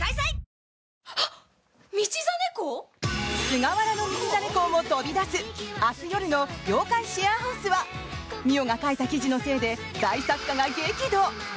菅原道真公も飛び出す明日夜の「妖怪シェアハウス」は澪が書いた記事のせいで大作家が激怒。